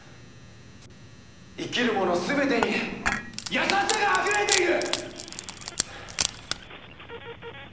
生きるもの全てに優しさがあふれている！